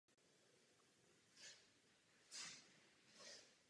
Jedná se o nejstarší oficiální ženský fotbalový oddíl v Česku.